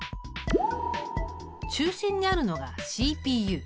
中心にあるのがＣＰＵ。